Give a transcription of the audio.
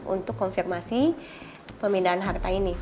untuk konfirmasi pemindahan harta ini